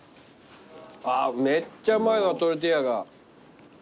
あーめっちゃうまいわトルティーヤが。